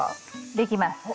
できます。